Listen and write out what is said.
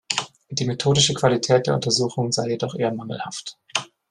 Die methodische Qualität der Untersuchungen sei jedoch eher mangelhaft.